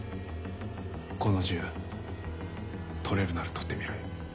この銃取れるなら取ってみる？